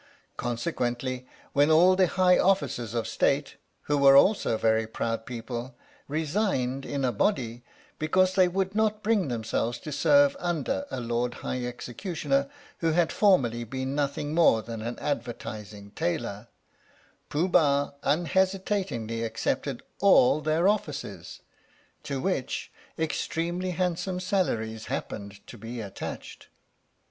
Conse quently when all the High Officers of State (who were also very proud people) resigned in a body because they would not bring themselves to serve under a Lord High Executioner who had formerly been nothing more than an advertising tailor, Pooh Bah unhesitatingly accepted all their offices, to which 18 THE STORY OF THE MIKADO extremely handsome salaries happened to be attached.